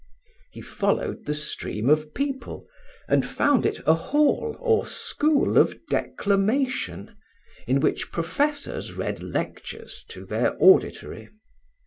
He followed the stream of people, and found it a hall or school of declamation, in which professors read lectures to their auditory.